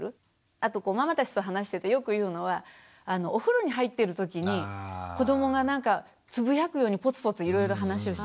あとママたちと話しててよく言うのはお風呂に入ってるときに子どもがなんかつぶやくようにポツポツいろいろ話をしてくる。